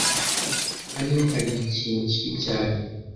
Hano hari ikintu kibi cyane.